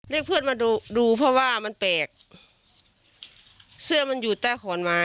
เรียกเพื่อนมาดูดูเพราะว่ามันแปลกเสื้อมันอยู่ใต้ขอนไม้